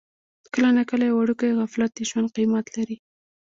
کله ناکله یو وړوکی غفلت د ژوند قیمت لري.